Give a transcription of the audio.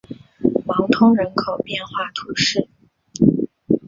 芒通人口变化图示